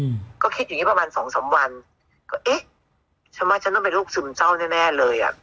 อืมก็คิดอย่างงี้ประมาณสองสามวันก็เอ๊ะฉันว่าฉันต้องเป็นโรคซึมเศร้าแน่แน่เลยอ่ะ